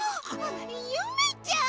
ゆめちゃん！